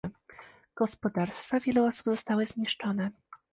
Gospodarstwa wielu osób zostały zniszczone